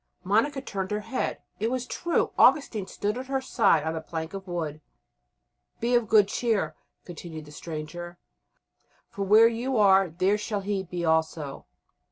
Monica turned her head. It was true; Augustine stood at her side on the plank of wood. "Be of good cheer," continued the stranger, "for where you are there shall he be also."